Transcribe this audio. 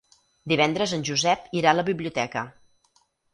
Divendres en Josep irà a la biblioteca.